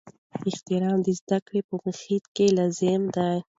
احترام د زده کړې په محیط کې لازمي دی.